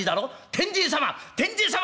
天神様！